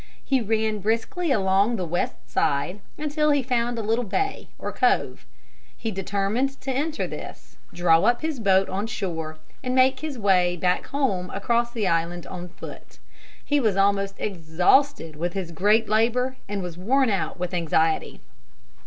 He ran briskly along the west side until he found a little bay or cove. He determined to enter this, draw up his boat on shore and make his way back home across the island on foot. He was almost exhausted with his great labor and was worn out with anxiety.